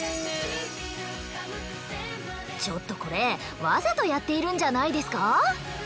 ちょっとこれわざとやっているんじゃないですか？